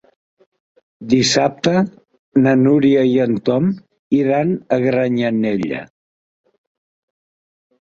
Dissabte na Núria i en Tom iran a Granyanella.